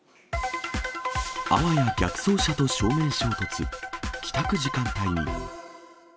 あわや逆走車と正面衝突、帰宅時間帯に。